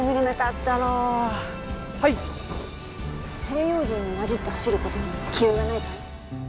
西洋人に交じって走ることに気負いはないかい？